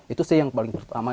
itu sih yang paling pertama